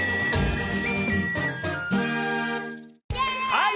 はい！